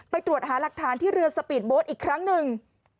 ตรวจหาหลักฐานที่เรือสปีดโบสต์อีกครั้งหนึ่ง